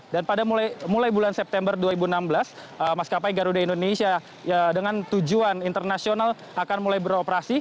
dan pada mulai bulan september dua ribu enam belas maskapai garuda indonesia dengan tujuan internasional akan mulai beroperasi